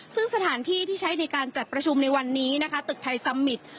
ซึ่งสถานที่ที่ใช้ในการจัดประชุมในวันนี้นะคะตึกไทยซัมมิตร